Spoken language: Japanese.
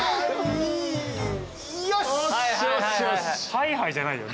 「はいはい」じゃないよ。